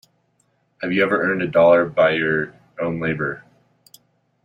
Have you ever earned a dollar by your own labour.